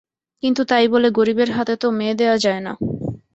কিন্তু তাই বলে গরিবের হাতে তো মেয়ে দেওয়া যায় নর।